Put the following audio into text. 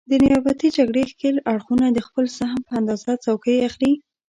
د نیابتي جګړې ښکېل اړخونه د خپل سهم په اندازه څوکۍ اخلي.